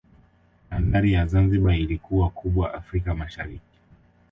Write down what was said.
Bandari ya Zanzibar ilikuwa kubwa Afrika Mashariki